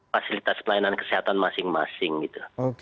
fasilitas pelayanan kesehatan masing masing gitu